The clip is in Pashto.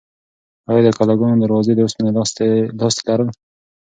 ایا د کلاګانو دروازې د اوسپنې لاستي لرل؟